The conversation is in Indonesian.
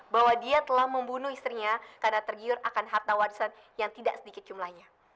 bahwa dia telah membunuh istrinya karena tergiur akan harta warisan yang tidak sedikit jumlahnya